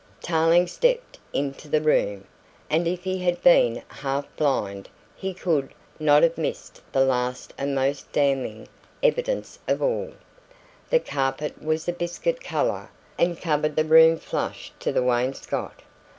Tarling stepped into the room, and if he had been half blind he could not have missed the last and most damning evidence of all. The carpet was of a biscuit colour and covered the room flush to the wainscot.